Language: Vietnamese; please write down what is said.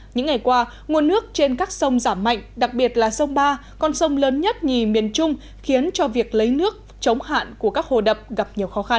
những ngày qua nguồn nước trên các sông giảm mạnh đặc biệt là sông ba con sông lớn nhất nhì miền trung khiến cho việc lấy nước chống hạn của các hồ đập gặp nhiều khó khăn